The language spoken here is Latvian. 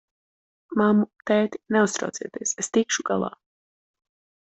Mammu, tēti, neuztraucieties, es tikšu galā!